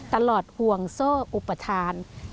ตลอดห่วงโซ่อุปฏาน